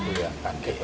itu yang kaget